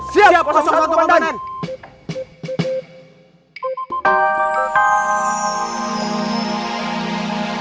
siap satu komandan